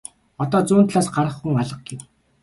Одоо зүүн талаас гарах хүн алга гэв.